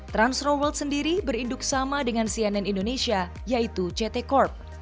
trans snow world sendiri berinduk sama dengan cnn indonesia yaitu ct corp